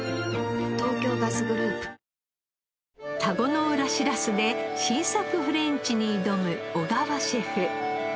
東京ガスグループ田子の浦しらすで新作フレンチに挑む小川シェフ。